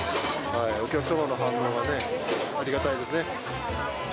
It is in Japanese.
お客様の反応がね、ありがたいですね。